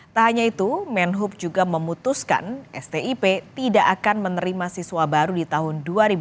tak hanya itu menhub juga memutuskan stip tidak akan menerima siswa baru di tahun dua ribu dua puluh